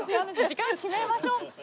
時間決めましょう。